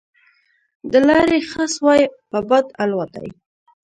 د لارې خس وای په باد الوتای